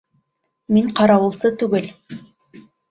Мин ҡарауылсы түгел!